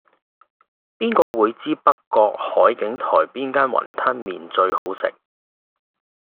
邊個會知道北角海景台邊間雲吞麵最好食